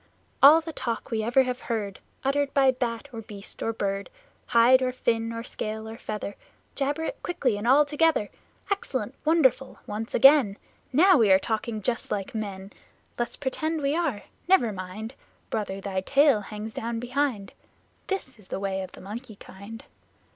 All the talk we ever have heard Uttered by bat or beast or bird Hide or fin or scale or feather Jabber it quickly and all together! Excellent! Wonderful! Once again! Now we are talking just like men! Let's pretend we are ... never mind, Brother, thy tail hangs down behind! This is the way of the Monkey kind.